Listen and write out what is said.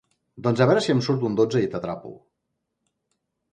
Doncs a veure si em surt un dotze i t'atrapo.